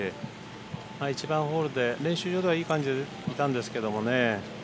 １番ホールで練習中はいい感じでいたんですけれどね。